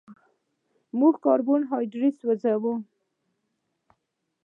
موږ کاربوهایډریټ سوځوو